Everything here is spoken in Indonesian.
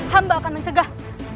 hamba akan mencegah